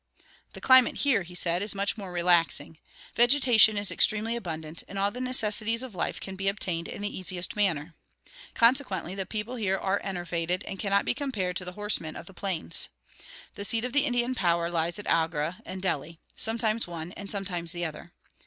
"The climate here," he said, "is much more relaxing. Vegetation is extremely abundant, and all the necessities of life can be obtained in the easiest manner. Consequently the people here are enervated, and cannot be compared to the horsemen of the plains. The seat of the Indian power lies at Agra and Delhi sometimes one and sometimes the other.